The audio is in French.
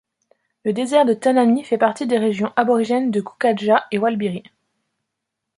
Le désert de Tanami fait partie des régions aborigènes de Kukatja et Walbiri.